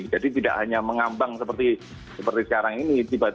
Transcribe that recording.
jadi tidak hanya mengambang seperti sekarang ini